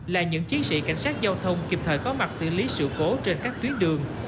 là những chiến sĩ cảnh sát giao thông kịp thời có mặt xử lý sự cố trên các tuyến đường